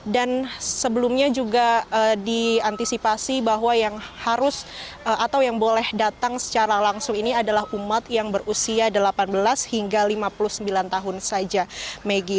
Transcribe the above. dan sebelumnya juga diantisipasi bahwa yang harus atau yang boleh datang secara langsung ini adalah umat yang berusia delapan belas hingga lima puluh sembilan tahun saja megi